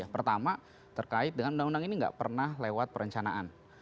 pertama terkait dengan undang undang ini nggak pernah lewat perencanaan